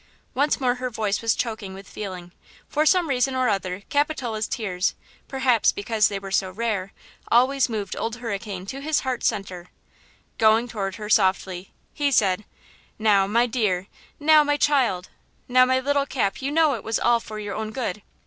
Once more her voice was choking with feeling. For some reason or other Capitola's tears–perhaps because they were so rare–always moved Old Hurricane to his heart's center. Going toward her softly, he said: "Now, my dear; now, my child; now, my little Cap, you know it was all for your own good.